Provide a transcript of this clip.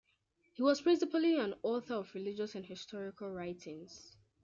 He was principally an author of religious and historical writings.